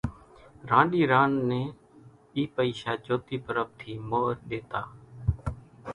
رانڏي رانڏان نين اِي پئيشا جھوتي پرٻ ٿي مورِ ۮيتا،